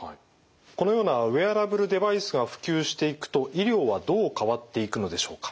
このようなウェアラブルデバイスが普及していくと医療はどう変わっていくのでしょうか？